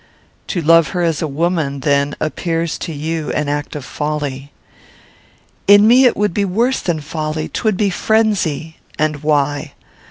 "To love her as a woman, then, appears to you an act of folly." "In me it would be worse than folly. 'Twould be frenzy." "And why?"